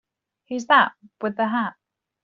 Who's that with the hat?